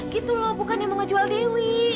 gitu loh bukannya mau ngejual dewi